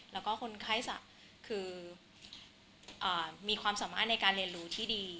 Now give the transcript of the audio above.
แล้วก็คนไข้ศักดิ์คือมีความสามารถในการเรียนรู้ที่ดี